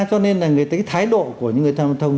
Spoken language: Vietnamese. cho nên là cái thái độ của người thông